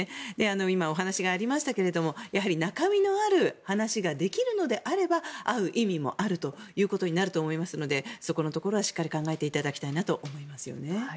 今、お話がありましたけどやはり中身のある話ができるのであれば会う意味もあるということになると思いますのでそこのところはしっかり考えていただきたいなと思いますよね。